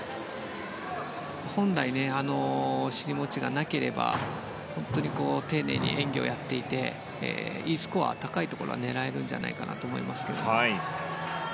本来、尻餅がなければ本当に丁寧を演技をやっていてＥスコア高いところは狙えるんじゃないかと思いますけど。